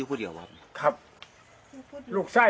พันธุ์นี้